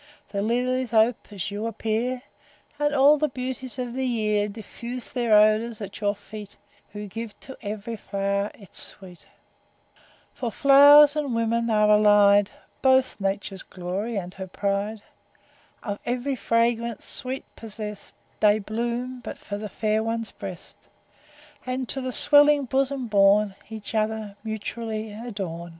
The lilies ope', as you appear; And all the beauties of the year Diffuse their odours at your feet, Who give to ev'ry flow'r its sweet. IV. For flow'rs and women are allied; Both, nature's glory, and her pride! Of ev'ry fragrant sweet possest, They bloom but for the fair one's breast, And to the swelling bosom borne, Each other mutually adorn.